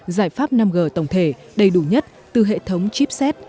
giải pháp năm g tổng thể đầy đủ nhất từ hệ thống chipset